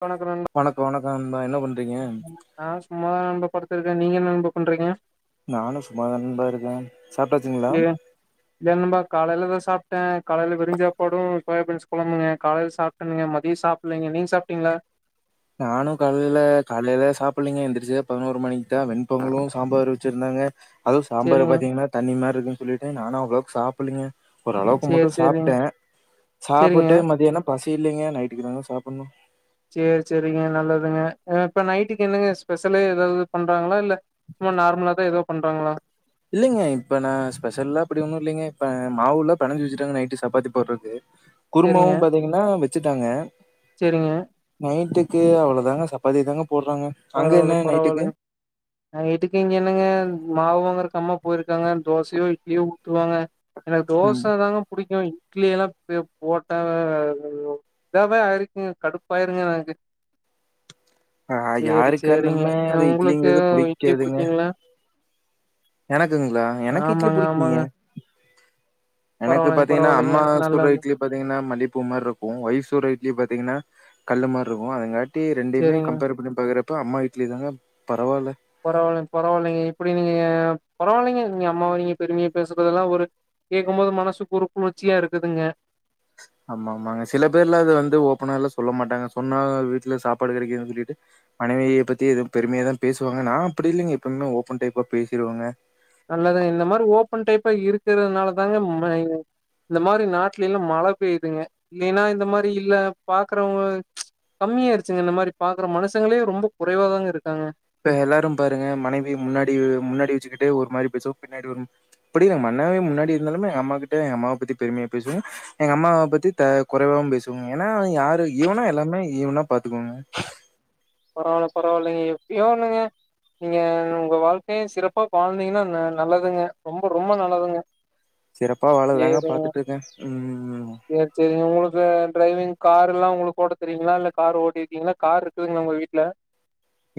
தொண தொண ண்பா வணக்கோ வணக்கோ ண்பா என்ன பண் நா சும்மாதா நண்பா படுத்துருக்கே நீங்க என்ன நண்பா பண்றீங்க நானு சும்மாதா நண்பா இருக்கே சாப்ட்டாச்சுங்களா இல்ல இல்ல நண்பா காலேல த சாப்ட்ட காலேல வெருஞ்சாப்பாடூ சோயாபீன்ஸ் கொழம்புங்க காலேல சாப் கனுங்க மதியோ சாப்பலிங்க நீங்க சாப்ட்டிங்களா நானு காலேல காலேல சாப்பில்லிங்க எந்துருச்சு பதினோரு மணிக்கு தா வெண்பொங்கலு சாம்பாரு வச்சுருந்தாங்க அதுவு சாம்பார சேரிங்க பாத்தீங்கன்னா தண்ணி மாரி இருக்குன்னு சொல்லிட்டு நானு அவ்ளோக்கு சாப்பலிங்க ஓரளவுக்கு மட்டு சேரி சேரிங்க சாப்ட்ட சேரிங்க சாப்பிட்டு மதியானோ பசி இல்லைங்க நைட்டுக்கு தாங்க சாப்பட்ணு சேரி சேரிங்க நல்லதுங்க இப்ப நைட்டுக்கு என்னங்க ஸ்பெஷலு எதாவது பண்றாங்களா இல்ல சும்மா நார்மலா தா எதோ பண்றாங்களா இல்லைங்க இப்ப நா ஸ்பெஷல்லா அப்டி ஒன்னு இல்லைங்க இப்ப மாவுல்லா பெனஞ்சு வச்சுட்டாங்க நைட்டு சப்பாத்தி போட்றக்கு குருமாவு சேரிங்க பாத்தீங்கன்னா வச்சுட்டாங்க சேரிங்க நைட்டுக்கு அவ்ளதாங்க சப்பாத்தி தாங்க போட்றாங்க அங்க பரவால்ல என்ன பரவால்லைங்க நைட்டுக்கு நைட்டுக்கு இங்க என்னங்க மாவுவாங்கறக்கு அம்மா போயிருக்காங்க தோசையோ இட்லியோ ஊத்துவாங்க எனக்கு ம் தோச தாங்க புடிக்கு இட்லி எல்லா போட்ட இதாவே ஆயிருக்குங்க கடுப்பாயிருங்க எனக்கு ஆ சேரி யாருக்கா சேரிங்க இருந்தாலுமே அது உங்களுக்கு இட்லிங்கிறது இட்லி புடிக்காதுங்க. புடிக்குங்களா எனக்குங்களா எனக்கு இட்லி ஆமாங்க புடிக்குங்க ஆமாங்க எனக்கு பரவாயில்லைங்க பாத்தீங்கன்னா பரவாயில்லைங்க அம்மா நல்ல சுட்ற இட்லி பாத்தீங்கன்னா மல்லிப்பூ மாரி இருக்கு ஒய்ஃப் சூட்ற இட்லி பாத்தீங்கன்னா கல்லு மாரி இருக்கு அதுங்காட் டி ரெண்டிமே சேரிங்க கம்பேர் பண்ணி பாக்கறப்ப அம்மா இட்லி தாங்க பரவால்ல பரவால்லங் பரவால்லைங்க இப்டி நீங்க பரவாயில்லைங்க நீங்க அம்மாவ நீங்க பெருமையா பேசும்போதெல்லா ஒரு கேட்கும் போது மனசுக்கு ஒருகுளிர்ச்சியா இருக்குதுங்க ஆமா ஆமாங்க சில பேர்ல அத வந்து ஓப்பனா வெல்ல சொல்ல மாட்டாங்க சொன்னா வீட்ல சாப்பாடு கிடைக்காதுன்னு சொல்லிட்டு மனைவிய பத்தி எதும் பெருமையா தா பேசுவாங்க நா அப்டி இல்லைங்க எப்பயுமே ஓபன் டைப்பா பேசிருவங்க நல்லதுங்க இந்த மாரி ஓப்பன் டைப்பா இருக்கறதுனால தாங்க மை இந்த மாரி நாட்டுலேல்லா மழ பெய்யுதுங்க இல்லேன்னா இந்த மாரி இல்ல பாக்குறவங்க கம்மியாடுச்சுங்க இந்த மாரி பாக்ற மனுசங்களே ரொம்ப குறைவாதாங்க இருக்காங்க இப்ப எல்லாரு பாருங்க மனைவி முன்னாடி முன்னாடி வச்சுக்கிட்டே ஒரு மாரி பேசுவாங்க பின்னாடி ஒரு அப்டிலிங்க மன்னாவே முன்னாடி இருந்தாலுமே எ அம்மா கிட்ட எ அம்மாவ பத்தி பெருமையா பேசுவே எங்க அம்மாவ பத்தி த குறைவாவு பேசுவங்க ஏன்னா யாரு ஈவனா எல்லாமே ஈவனா பாத்துக்கோங்க பரவால்ல பரவால்லைங்க எப்டியோ ஒண்ணுங்க நீங்க உங்க வாழ்க்கைய சிறப்பா வாழ்ந்தீங்கன்னா நல்லதுங்க ரொம்ப ரொம்ப நல்லதுங்க சிறப்பா வாழதாங்க சேரிங்க பாத்துட்ருக்க ம் சேரி சேரிங்க உங்களுக்கு ட்ரைவிங் கார் எல்லா உங்களுக்கு ஓட்ட தெரியுங்களா இல்ல கார் ஓட்டிருக்கீங்களா கார் இருக்குதுங்கலா உங்க வீட்ல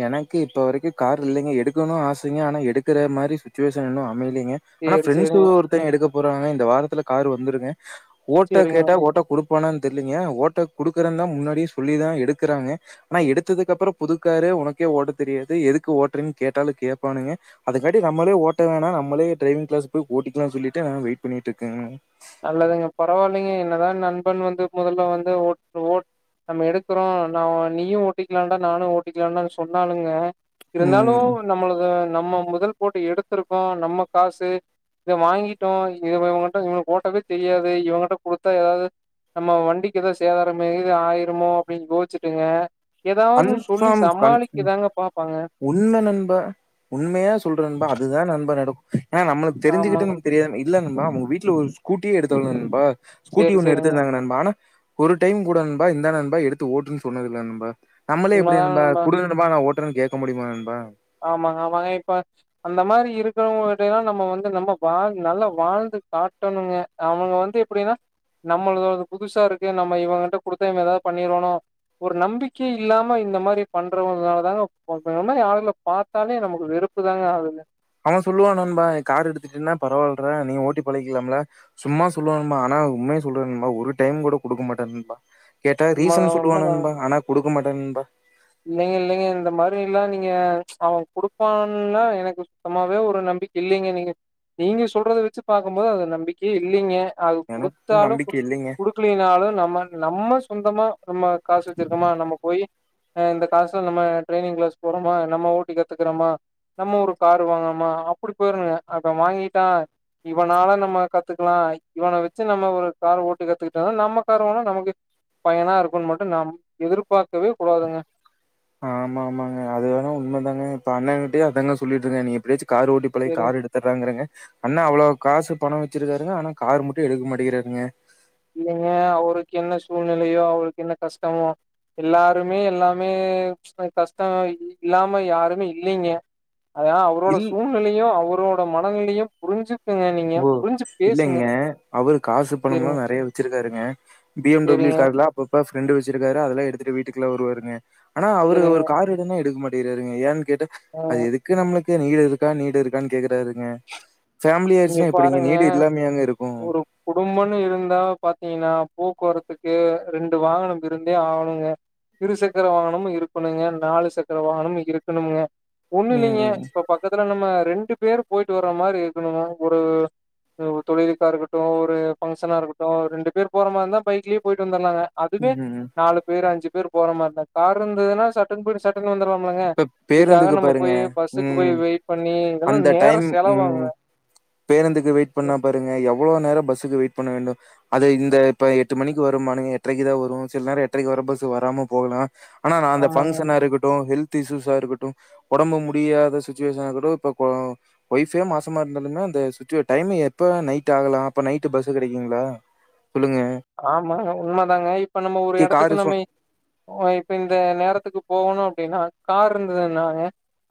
எனக்கு இப்ப வரைக்கு கார் இல்லைங்க எடுக்கணு ஆசைங்க ஆனா எடுக்கற மாரி சுச்சுவேஷன் இன்னு அமையலங்கே ஆனா சேரி பிரண்ட்ஸ்ல சேரிங்க ஒருத்த எடுக்க போறாங்க இந்த வாரத்துல கார் வந்துருங்க ஓட்ட சேரிங்க கேட்டா ஓட்ட குடுப் போன தெர்லிங்க ஓட்ட குடுக்கறன் தா முன்னாடியே சொல்லி தா எடுக்கறாங்க ஆனா எடுத்ததுக்கு அப்றோ புது காரே உனக்கே ஓட்ட தெரியாது எதுக்கு ஓட்ரன்னு கேட்டாலு கேப்பானுங்க அதங்காட்டி நம்மளே ஓட்ட வேணா நம்மளே ட்ரைவிங் கிளாஸ் போய் ஓட்டிக்கலா சொல்லிட்டு நா வெயிட் பண்ணிட்டு இருக்கங்க நல்லதுங்க பரவால்லைங்க என்னதா நண்பன் வந்து மொதல்ல வந்து ஓட் ஓட் நம்ம எடுக்றோ நா நீயு ஓட்டிக்கலாடா நானு ஓட்டிக்கலான்னு சொன்னாலுங்க இருந்தாலு ம் நம்மளது நம்ம முதல் போட்டு எடுத்துருக்கோ நம்ம காசு இத வாங்கிட்டோ இவங்கிட்ட இவனுக்கு ஓட்டவே தெரியாது இவங்கிட்ட கொடுத்தா எதாது நம்ம வண்டிக்கு எதோ சேதாரம் இது ஆயிரமோ அப்டின்னு யோச்சுட்டுங்க எதாவது சொல்லி கன்ஃபார்ம் கன் சமாளிக்கதாங்க பாப்பாங்க உண்ம நண்பா உண்மைய சொல்லுற நண்பா அதுதா நண்பா நடக்கு ஏனா நம்மளுக் ஆமாங்க. தெரிஞ்சிகிட்டு தெரியாத இல்ல நண்பா அவுங்க வீட்ல ஒரு ஸ்கூட்டியே எடுத்தாலு நண்பா ஸ்கூட்டி சரி, ஒண்ணு சரிங்க. எடுத்திருந்தாங்க நண்பா ஆனா ஒரு டைம் கூட நண்பா இந்தா நண்பா எடுத்து ஓட்டுன் சொன்னதுல்ல நண்பா நம்பளே எப்டி உண்மதாங்க நண்பா உண்ம. குடு நண்பா நா ஓட்டறன் கேக்க முடியுமா நண்பா ஆமாங்க ஆமாங்க இப்ப அந்த மாரி இருக்கிறவங்கிட்டயெல்லா நம்ம வந்து நம்ம வாழ் நல்லா வாழ்ந்து காட்டணுங்க அவுங்க வந்து எப்டின்னா நம்மளத வந்து புதுசா இருக்கு நம்ம இவுங்கிட்ட குடுத்தா இவன் ஏதாவது பண்ணிருவானோ ஒரு நம்பிக்கை இல்லாம இந்த மாரி பண்றவனாலதாங்க இந்த மாரி ஆளுங்கள பாத்தாலே நமக்கு வெறுப்பு தாங்க ஆகுது அவன் சொல்லுவான் நண்பா கார் எடுத்துட்டினா பரவாயில்றா நீ ஓட்டி பழகிகலாம்ல சும்மா சொல்லுவா நண்பா ஆனா உண்மைய சொல்லுற நண்பா ஒரு டைம் கூட குடுக்க மாட்டான் நண்பா கேட்டா உண்ம ரீசன் சொல்லுவான் உண்மதாங்க நண்பா ஆனா குடுக்க மாட்டான் நண்பா இல்லைங்க இல்லைங்க இந்த மாரி எல்லா நீங்க அவுங் குடுப்பான்லா எனக்கு சுத்தமாவே ஒரு நம்பிக்க இல்லைங்க நீங்க நீங்க சொல்றத வச்சு பாக்கும் போது அது நம்பிக்கே இல்லிங்க அது எனக்கு குடுத்தாலு குடு நம்பிக்கை இல்லைங்க குடுக்ளினாலு நம்ம நம்ம சொந்தமா நம்ம காசு வச்சிருக்கோமா நம்ம போயி ஆ இந்த காசுல நம்ம ட்ரைவிங் கிளாஸ் போறோமா நம்ம ஓட்டி கத்துக்கறமா நம்ம ஒரு காரு வாங்கனமா அப்டி போயிருங்க அப்ப வாங்கிட்டா இவனால நம்ம கத்துக்லா இவன வச்சு நம்ம ஒரு கார் ஓட்டி கத்துக்கிட்டாதா நம்ம கார் வாங்குனா நமக்கு பயனா இருக்குன்னு மட்டு நம் எதிர்பார்க்கவே கூடாதுங்க ஆமா ஆமாங்க அது வேணா உண்மைதாங்க இப்ப ஆமா ஆமாங்க அதுவேனா உண்மதாங்க இப்ப அண்ணங்கிட்டயே அதாங்க சொல்லிட்டு இருக்க நீ எப்டியாச்சு கார் ஓட்டி பழகி சேரிங் கார் எடுத் எடுத்தறாங்கறாங்க அண்ணா அவ்ளோ காசு பணோ வச்சிருக்காருங்க ஆனா கார் மட்டு எடுக்க மாட்டிகிறாருங்க இல்லங்க அவருக்கு என்ன சூழ்நிலையோ அவருக்கு என்ன கஷ்டமோ எல்லாருமே எல்லாமே கஷ்டோ இல்லாம யாருமே இல்லைங்க அதா அவரோட இல் சூழ்நிலையு அவரோட மனநிலையு புரிஞ்சு நீங்க ஓ பேசுங்க இல்லேங்க அவரு காசு பணம்லா செரிங்க நறைய வச்சிருக்காருங்க பி எம் டபள்யூ செரிங்க கார்லா அப்பப்ப ஃப்ரெண்டு வச்சிருக்காரு அதல்லா எடுத்துட்டு வீட்டுககுள்ள வருவாருங்க ஆனா அவரு செரிங்க ஒரு கார் எடுனா எடுக்க மாட்டிறாருங்க ஏன்னு கேட்டா ஆ அது எதுக் கு நம்மளுக்கு நீடு இருக்கா நீடு இருக்கான்னு கேக்குறாருங்க ஃபேமிலியா எப்டிங்க நீடு இல்லாமையாங்க இருக்கு குடும்பம்ன்னு இருந்தா பாத்தீங்னா போக்குவரத்துக்கு ரெண்டு வாகனம் இருந்தே ஆகணும்ங்க இரு சக்கர வாகனமு இருக்கணுங்க நாலு சக்கர வாகனமு இருக்கணும்ங்க ஒண்ணு ம், இல்லைங்க ம். இப்ப பக்கத்துல நம்ம ரெண்டு பேர் போயிட்டு வர்ற மாரி இருக்கணும்னா ஒரு தொழிலுக்கா இருக்கட்டு ஒரு ஃபங்க்ஷனா இருக்கட்டு ரெண்டு பேர் போற மார் இருந்தா பைக்லயே போயிட்டு வந்தர்லாங்க அதுவே ம். நாலு பேர் அஞ்சு பேர் போற மார் இருந்தா கார் இருந்ததுன்னா ச ட்டுன்னு போய்ட்டு சட்டுன்னு வந்துராம்லங்க இப்ப இதுக்காக பேருந்துக்கு நம்ம பாருங்க. போய் பஸ்ஸுக்கு ம். போய் வெயிட் பண்ணி இதெல்லா அந்த நேர டைம் ம் செலவாகுங்க பேருந்துக்கு வெயிட் பண்ணா பாருங்க எவ்ளோ நேரோ பஸ்ஸுக்கு வெயிட் பண்ண வேண்டும் அது இந்த இப்ப எட்டு மணிக்கு வருமானுங்க எட்றைக்கு தா வரு சில நேரோ எட்றைக்கு வர பஸ்சு வராம போகலா ஆனா நா அந்த ஆமாங்க ஃபங்க்ஷனா இருக்கட்டு ஹெல்த் இஸ்யூஸா இருக்கட்டு உடம்பு முடியாத சுச்சுவேஷனாகட்டு இப்ப ஒய்ஃபே மாசமா இருந்தாலுமே இந்த சிச்சுவல் டைம் எப்போதா நைட் ஆகலா அப்ப நைட்டு பஸ் கெடைக்குங்ளா சொல்லுங்க ஆமாங்க உண்ம தாங்க இப்ப நம்ம ஒரு கே இடத்துக்கு காரு சொன் நம்மை ஓ இப்ப இந்த நேரத்துக்கு போகணு அப்டின்னா கார் இருந்ததுன்னாங்க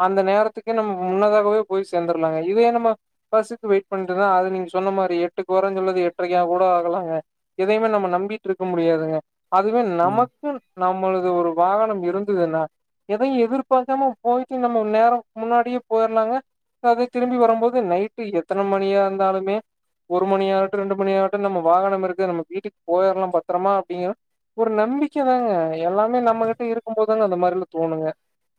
அந்த நேரத்துக்கே நம்ம முன்னதாகவே போய் சேர்ந்துருலாங்க இதே நம்ம பஸ்ஸுக்கு வெயிட் பண்றதுதா அது நீங்க சொன்ன மாரி எட்டுக்கு போறன்னு சொல்றது எட்டரைக்கா கூட ஆகலாங்க எதையுமே நம்ம நம்பிட்டுருக்க முடியாதுங்க அதுவே ம் நமக் கு நம்மளது ஒரு வாகனம் இருந்துதின்னா எதையு எதிர்பாக்காம போயிட்டு நம்ம நேரோ முன்னாடியே போயிரலாங்க அதுக்காகவே திரும்பி வரபோது நைட்டு எத்தன மணியா இருந்தாலுமே ஒரு மணி ஆகட்டு ரெண்டு மணி ஆகட்டு நம்ம வாகனம் இருக்கு நம்ம வீட்டுக்கு போயிரலா பத்திரமா அப்டிங்கிற ஒரு நம்பிக்கை தாங்க எல்லாமே நம்மகிட்ட இருக்கு போது தாங்க அந்த மாரிலா தோணுங்க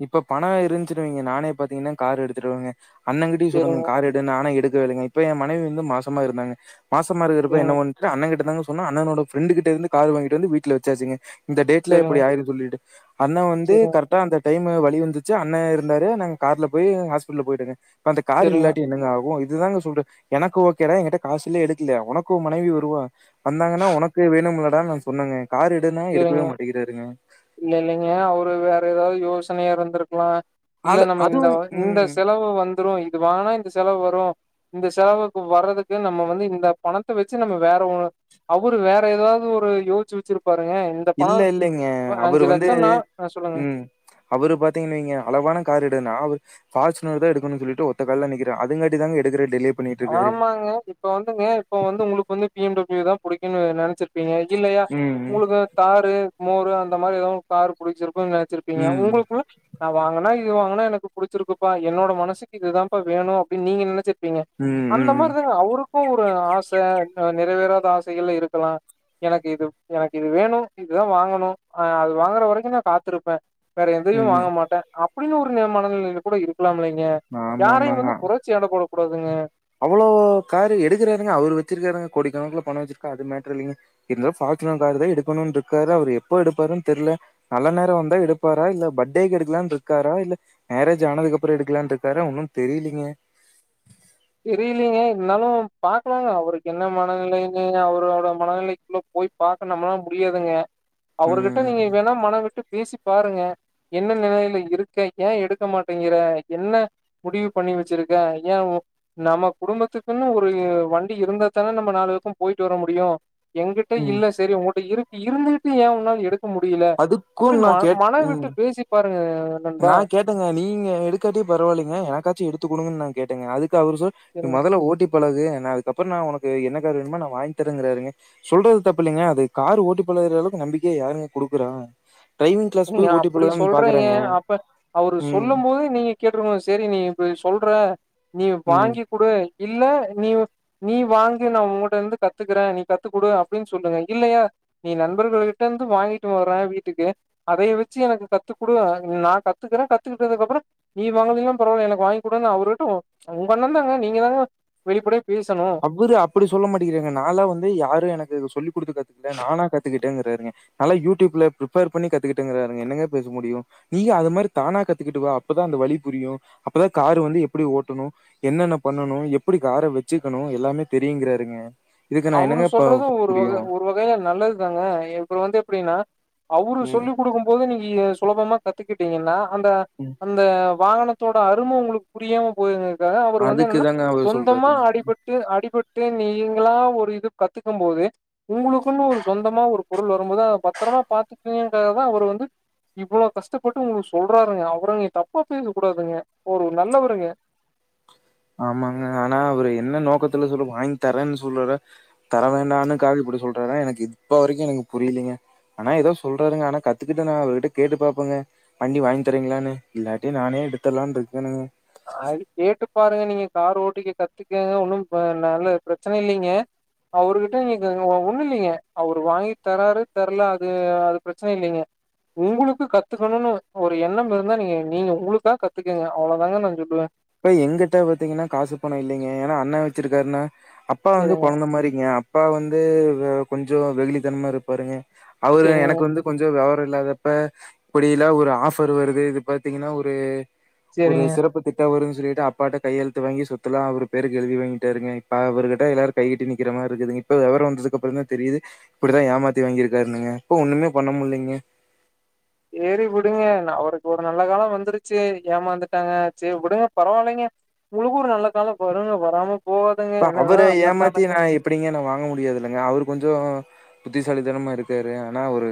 இப்ப பணம் இருஞ்ச்சுன்னு வைங்க நானே பாத்தீங்கன்னா கார் எடுத்துடுவேங்க அண்ணங்கிட்டயு சொல்லுங்க சேரிங்க கார் எடு நானு எடுக்கவே இல்லைங்க இப்ப எ மனைவி வந்து மாசமா இருந்தாங்க மாசமா இருக்கிறப்ப என்ன ஒன் அண்ணன் கிட்ட தாங்க சொன்னே அண்ணனோட ஃப்ரெண்டு கிட்ட இருந்து கார் வாங்கிட்டு வந்து வீட்ல வச்சாச்சுங்க இந்த டேட்ல சேரிங்க இப்டி ஆகிடு சொல்லிட்டு அண்ணே வந்து சேரிங்க சேரிங்க கரெக்டா அந்த டைம் ஆக வலி வந்துச்சு அண்ணன் இருந்தாரு நாங்க கார்ல போய் ஹாஸ்பிட்டல்ல போயிட்டங்க அப்ப அந்த கார் சேரிங்க இல்லாட்டி என்னங்க ஆகு இதுதாங்க சொல்றே எனக்கு ஓகேடா என்கிட்ட காசில்ல எடுக்கல உனக்கு உன் மனைவி வருவா வந்தாங்கன்னா உனக்கு வேணும்லடான்னு நா சொன்னேங்க கார் எடுன்னா எடுக்கவே சேரிங்க மாட்டேங்கிறாறுங்க இல்ல இல்லைங்க அவரு வேற ஏதாவது யோசனையா இருந்திருக்கலா இல்ல ஆளு நம்ம அதுவும் இந்தவ இந்த ம் செலவு வந்துரு இது வாங்கனா இந்த செலவு வரு இந்த செலவுக்கு வர்றதுக்கு நம்ம வந்து இந்த பணத்த வச்சு நம்ப வேற ஒரு அவரு வேற ஏதாவது ஒரு யோசிச்சு வெச்சிருப்பாருங்க இல்ல இல்லைங்க அவரு வந்து ஆ சொல்லுங்க ம் ம் அவரு பாத்தீங்கன்னு வைங்க அளவான காரிடு நாவு ஃபார்சுனர் தா எடுக்கணு சொல்லிட்டு ஒத்தக்கால்ல நிக்கிறே அதுங்காட்டி தங்க எடுக்குற டிலே பண்ணிட்டு இருக்காரு. ஆமாங்க இப்ப வந்துங்க இப்ப வந்து உங்களுக்கு வந்து பி எம் டபியூ தா புடிக்குனு நெனச்சிருப்பீங்க இல்லயா ம். உங்களுக்கு தாரு மோரு அந்த மாரி எதுவு கார் புடிச்சிருக்குங்க நெனச்சுருப்பீங்க ம். உங்களுக்குள்ள நா வாங்கனா இது வாங்கனா எனக்கு புடிச்சிருக்குப்பா என்னோட மனசுக்கு இதுதாப்பா வேணு அப்டினு நீங்க நெனச்சிருப்பீங்க ம். அந்த ம். மாரிதாங்க அவருக்கு ஒரு ஆச அ நிறைவேறாத ஆசைகள்ல இருக்கலா எனக்கு இது எனக்கு இது வேணு இதுதா வாங்கணு அ அது வாங்கற வரைக்கு நா காத்துருப்பே வேற ம். எதையு ம். வாங்க மாட்டே அப்டின்னு ஒரு ந மனநிலைல கூட இருக்கலாமி ல்லைங்க யாரையு வந்து குற ச்சி எட போடக்கூடாதுங்க அவ்ளோ காரு எடுக்கிறாருங்க அவரு வச்சிருக்காருங்க கோடிக்கணக்குல பணம் வச்சிருக்கா அது மேட்டரு இல்லீங்க இருந்தாலு ஃபார்ச்சுனர் கார் தா எடுக்கணுனு இருக்காரு அவரு எப்போ எடுப்பாருன் தெர்ல நல்ல நேரோ வந்தா எடுப்பாரா இல்ல பட்டேகு எடுக்கலான் இருக்காரா இல்ல மேரேஜ் ஆனதுக்கப்பறோ எடுக்கலானு இருக்காரா ஒன்னு தெரியலீங்க தெரியலைங்க இருந்தாலு பாக்கலாங்க அவருக்கு என்ன மனநிலைனு அவரு அவரோ மனநிலைக்குள்ள போய் பாக்க நம்மலா முடியாதுங்க அவர்கிட்ட நீங்க ம். வேணா மனவிட்டு பேசி பாருங்க என்ன நிலைல இருக்கே ஏன் எடுக்க மாட்டேங்கிற என்ன முடிவு பண்ணி வச்சிருக்க ஏ ‌ஓ நம்ம குடும்பத்துக்குனு ஒரு வண்டி இருந்தா தான நம்ம நாலு பக்க போயிட்டு வர முடியு எங்கிட்ட ம். இல்ல செரி உங்கட்ட இருக்கு இருந்துகிட்டு ஏன் உன்னால எடு க்க முடியல அப்டி அதுக்கும் மன நான் கேட் மன ம். விட்டு பேசி பாருங்க நா நண்பா கேட்டேங்க நீங்க எடுக்காட்டியு பரவால்லிங்க எனக்காச்சு எடுத்து குடுங்கனு நா கேட்டேங்க அதுக்கு அவரு சொ நீ செரிங் மொதல ஓட்டி பழகு நா அதுக்கப்பறோ நா உனக்கு என்ன காரு வேணுமோ நா வாங்கி தரேங்கிறாருங்க சொல்றது தப்பில்லைங்க அது காரு ஓட்டி பழகுற அளவுக்கு நம்பிக்கைய யாருங்க குடுக்குறா டிரைவிங் க்ளாஸ் நீங்க போய் ஓட்டிப் அப்படி பழகலான் சொல்றீங்க. பாக்றேங்க அப்ப அவரு சொல்லும்போதே நீங்க கேட்ருக்கணு செரி நீ இப்பிடி சொல்ற நீ ம். வாங்கி குடு இல்ல நீ நீ வாங்கி நா உங்கட்ட இருந்து கத்துக்கறே நீ கத்துக்குடு அப்டின் சொல்லுங்க இல்லையா நீ நண்பர்கள் கிட்ட இருந்து வாங்கிட்டு வர வீட்டுக்கு அதைய வச்சு எனக்கு கத்துகுடு நா கத்துக்குறே கத்துக்கிட்டதுக்கு அப்றோ நீ வாங்கலீனா பரவால்ல எனக்கு வாங்கி குடுனு அவருட்ட உங்க அண்ணந்தாங்க நீங்க தாங்க வெளிப்படையா பேசணு அவரு அப்டி சொல்ல மாட்டேக்கிறாங்க நாலா வந்து யாரு எனக்கு சொல்லிக் குடுத்து கத்துக்ல நானா கத்துக்கிட் டேங்றாருங்க நாலா யூடியூப்ல ப்ரிப்பேர் பண்ணி கத்துக்கிட்டேங்ராருங்க என்னங்க பேச முடியு நீயு அத மாரி தானா கத்துக்கிட்டு வா அப்பதா அந்த வலி புரியு அப்பதா காரு வந்து எப்டி ஓட்டணு என்னென்ன பண்ணணு எப்டி கார வெச்சுக்கணு எல்லாமே தெரியுங்றாருங்க இதுக்கு நா என்னங்க ப பண்ண முடியு போக நல்லது தாங்க இப்ப வந்து எப்டின்னா அவரு ம். சொல்லிக் குடுக்கு போது நீங்க சுலபமா கத்துக்கிட்டீங்கன்னா அந்த ம் இந்த வாகனத்தோட அரும உங்களுக்கு புரியாம பொய்ருங்க்க அவரு வந்து அதுக்கு என்னன்னா தாங்க அவரு சொந்தமா சொல்றாரு. அடிபட் டு அடிபட்டு நீங்களா ஒரு இது கத்துக்கு போது உங்களுக்குனு ஒரு சொந்தமா ஒரு பொருள் வரும்போது அத பத்தரமா பாத்துப்பீங்கன்றத தா அவரு வந்து இவ்ளோ கஷ்டப்பட்டு உங்களுக்கு சொல்றாருங்க அவர நீங்க தப்பா பேச கூடாதுங்க ஒரு நல்லவருங்க ஆமாங்க ஆனா அவரு என்ன நோக்கத்துல சொல்லு வாங்கி தரேன்னு சொல்லல தர வேணானுக்காக இப்டி சொல்றாரா எனக்கு இப்ப வரைக்கு எனக்கு புரியலீங்க ஆனா ஏதோ சொல்றாருங்க ஆனா கத்துக்கிட்டு நா அவர்கிட்ட கேட்டு பாப்பேங்க வண்டி வாங்கி தரீவீங்ளாணு இல்லாட்டி நானே எடுத்ராலானு இருக்கேனுங்க அது கேட்டு பாருங்க நீங்க கார் ஓட்டிக்க கத்துக்க ஒன்னும் ப நல்ல ப்ரச்சன இல்லிங்க அவருருகிட்ட நீங்க ஒண்ணு இல்லிங்க அவரு வாங்கி தராரு தர்ல அது அது ப்ரச்சன இல்லீங்க உங்களுக்கு கத்துக்கணுனு ஒரு எண்ணம் இருந்தா நீங்க நீங்க உங்களுக்கா கத்துக்கங்க அவ்வளோதாங்க நா இப்பவே இப்ப எங்கட்ட பாத்திங்கன்னா காசு பணோ இல்லிங்க ஏனா அண்ணா வச்சிருக்காருன்னா அப்பா வந்து சரிங்க கொழந்த மாரிங்க அப் பா வந்து வே கொஞ்சோ வெகுளித்தனமா இருப்பாருங்க அவரு சரிங்க எனக்கு வந்து கொஞ்ச விவர இல்லாதப்ப இப்பிடியெல்லா ஒரு ஆஃபர் வருது இது பாத்திங்கன்னா ஒரு ஒரு சரிங்க சிறப்புத் தா வருது சொல்லிட்டு அப்பாட்ட கையெழுத்து வாங்கி சொத்தலா அவரு பேருக்கு எழுதி வாங்கிட்டாருங்க இப்ப அவர்கிட்ட எல்லாரு கைகட்டி நிக்கிற மாரி இருக்குதுங்க இப்ப விவரோ வந்ததுக்கு அப்றோதா தெரியுது இப்டித்தா ஏமாத்தி வாங்கிருக்காருன்னுங்க இப்போ ஒண்ணுமே பண்ண முட்லிங்க சேரி விடுங்க ந அவருக்கு ஒரு நல்ல காலோ வந்துருச்சி ஏமாந்துட்டாங்க செரி உடுங்க பரவா இல்லிங்க உங்களுக்கு ஒரு நல்ல காலோ கொரோனா வராம போவே இப்ப அவர ஏமாத்தி நா எப் டிங்க நா வாங்க முடியாதுல்லங்க அவரு கொஞ்சோ புத்திசாலித்தனமா இருக்காரு ஆனா அவரு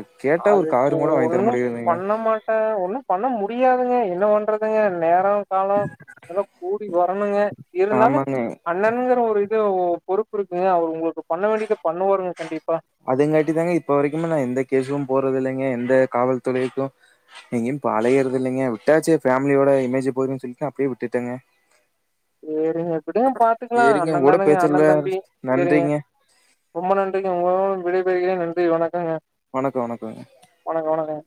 அதுக்கோரு பண்ண மாட்டாங்க ஒண்ணு பண்ண முடியாதுங்க என்ன பண்றதுங்க நேரோ காவோ இதல்லா கூடி வரணுங்க இருந்தாலு ஆமாங்க அண் ணனுங்ர ஒரு இது பொறுப்பு இருக்குங்க அவர் உங்களுக்கு பண்ண வேண்டியத பண்ணுவாருங்க கண்டிப்பா அதுங்காட்டி தாங்க இப்ப வரைக்குமே நா எந்த கேசுமே போட்றது இல்லைங்க எந்த காவல்துறைக்கு எங்கையு இப்ப அலையறது இல்லைங்க விட்டாச்சு ஃபேமிலியோட இமேஜ் பொய்ட்னு சொல்லிட்டு அப்பிடியே விட்டுட்டங்க சேரிங்க விடுங்க பாத்துக்கலா சரிங்க அண்ண உங்க கூட தானுங்க அண்ண பேச்சல தம்பி செரிங்க நன்றிங்க ரொம்ப நன்றிங்க உங்களோட விடைபெறுகிறே நன்றி வணக்கங்க வணக்கம் வணக்கங்க வணக்க வணக்கங்க